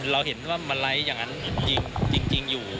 เราเห็นว่ามันไลค์อย่างนั้นจริงอยู่